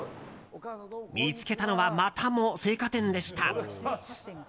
見つけたのはまたも青果店でした。